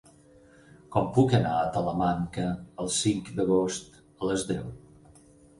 Com puc anar a Talamanca el cinc d'agost a les deu?